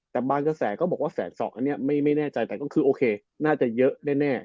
แต่บางกระแสก็บอกว่าแสนสองอันนี้ไม่แน่ใจแต่ก็คือโอเคน่าจะเยอะแน่